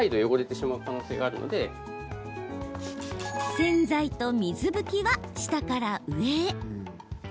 洗剤と水拭きは、下から上へ。